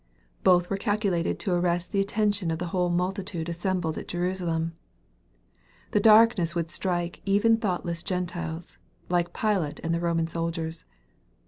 Both were calculated to arrest the attention of the whole multitude assembled at Jerusalem. The darkness would strike even thoughtless Gentiles, like Pilate and the Roman soldiers.